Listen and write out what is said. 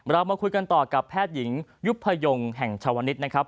เรามาคุยกันต่อกับแพทย์หญิงยุพยงแห่งชาวนิษฐ์นะครับ